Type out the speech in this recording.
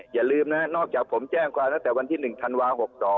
อย่าลืมนะนอกจากผมแจ้งความตั้งแต่วันที่๑ธันวา๖๒